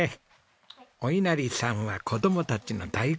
お稲荷さんは子供たちの大好物です。